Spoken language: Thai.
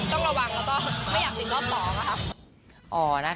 ต้องระวังแล้วก็ไม่อยากติดรอบต่อนะคะ